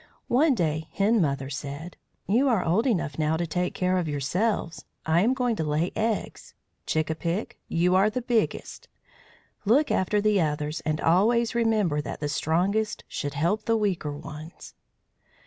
One day Hen Mother said: "You are old enough now to take care of yourselves. I am going to lay eggs. Chick a pick, you are the biggest. Look after the others, and always remember that the strongest should help the weaker ones."